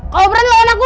kau berani lawan aku